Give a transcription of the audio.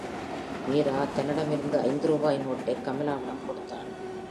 மீரா தன்னிடமிருந்த ஐந்து ரூபாய் நோட்டைக் கமலாவிடம் கொடுத்தாள்.